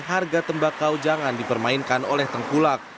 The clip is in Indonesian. harga tembakau jangan dipermainkan oleh tengkulak